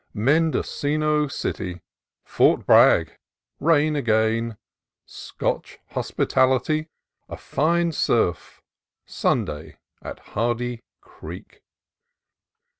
— Mendocino City — Fort Bragg — Rain again — Scotch hospitality — A fine surf — Sunday at Hardy Creek.